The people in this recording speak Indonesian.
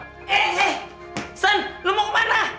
eh eh san lu mau kemana